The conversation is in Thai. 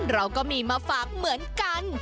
เราก็มีมาฝากเหมือนกัน